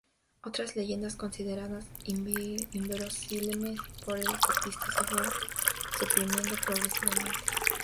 Otras leyendas, consideradas inverosímiles por el copista, se fueron suprimiendo progresivamente.